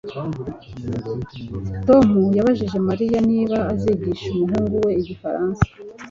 Tom yabajije Mariya niba azigisha umuhungu we igifaransa